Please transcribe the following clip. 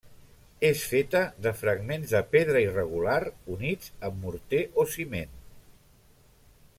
És feta de fragments de pedra irregular units amb morter o ciment.